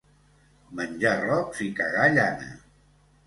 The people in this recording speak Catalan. Menjar rocs i cagar llana.